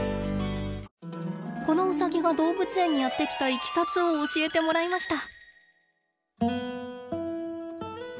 このウサギが動物園にやって来たいきさつを教えてもらいました。